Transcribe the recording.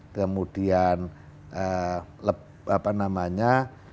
kemudian apa namanya